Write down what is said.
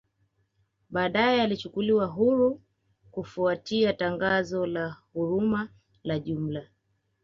Baadae aliachiliwa huru kufuatia tangazo la huruma la jumla